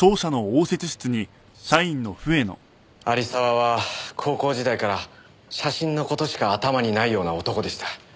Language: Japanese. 有沢は高校時代から写真の事しか頭にないような男でした。